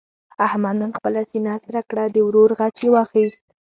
احمد نن خپله سینه سړه کړه. د ورور غچ یې واخیست.